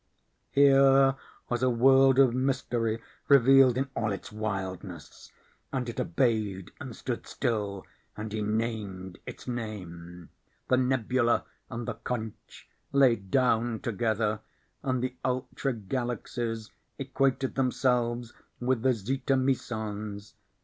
Here was a world of mystery revealed in all its wildness, and it obeyed and stood still, and he named its name. The nebula and the conch lay down together, and the ultra galaxies equated themselves with the zeta mesons.